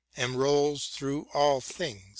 And rolls through all things.